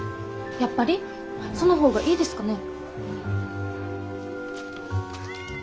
やっぱりその方がいいですかね。